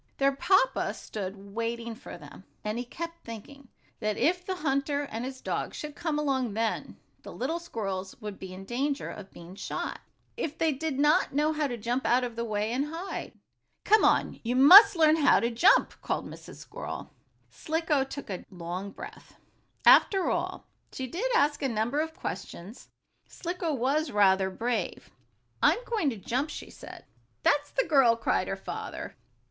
Their papa stood waiting for them, and he kept thinking that if the hunter and his dog should come along then, the little squirrels would be in danger of being shot, if they did not know how to jump out of the way, and hide. "Come on. You must learn to jump!" called Mrs. Squirrel. Slicko took a long breath. After all, though she did ask a number of questions, Slicko was rather brave. "I'm going to jump," she said. "That's the girl!" cried her father.